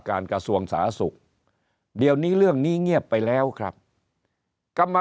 กระทรวงสาธารณสุขเดี๋ยวนี้เรื่องนี้เงียบไปแล้วครับกรรม